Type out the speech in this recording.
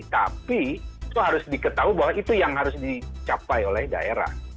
tapi itu harus diketahui bahwa itu yang harus dicapai oleh daerah